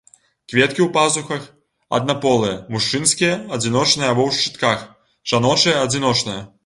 Кветкі ў пазухах, аднаполыя, мужчынскія, адзіночныя або ў шчытках, жаночыя адзіночныя.